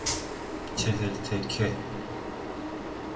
چهل تکه